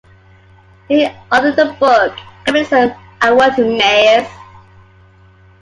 He authored the book "Communism: A World Menace".